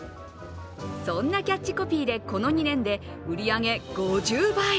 そんなキャッチコピーでこの２年で、売り上げ５０倍。